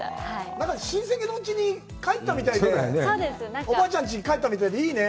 何か親戚のおうちに帰ったみたいで、おばあちゃんちに帰ったみたいで、いいね。